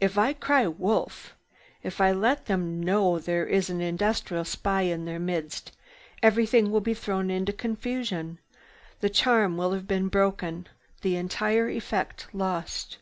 "If I cry 'WOLF!'—if I let them know there is an industrial spy in their midst, everything will be thrown into confusion. The charm will have been broken, the entire effect lost.